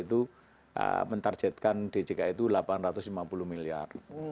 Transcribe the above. itu mentarjetkan djk itu delapan ratus lima puluh miliar